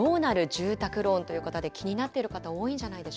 住宅ローンということで、気になっている方、多いんじゃないでし